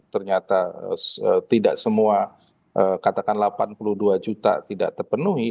ternyata tidak semua katakan delapan puluh dua juta tidak terpenuhi